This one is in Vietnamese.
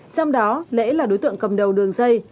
trong đó lễ là đối tượng cầm đầu đường dây